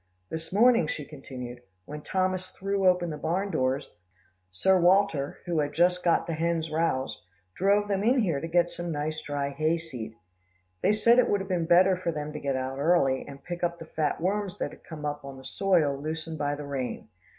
"This morning," she continued, "when Thomas threw open the barn doors, Sir Walter, who had just got the hens roused, drove them in here to get some nice dry hayseed. They said it would have been better for them to get out early, and pick up the fat worms that had come up on the soil loosened by the rain.